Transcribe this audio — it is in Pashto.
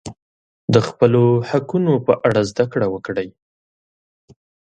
د خپلو حقونو په اړه زده کړه وکړئ.